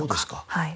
はい。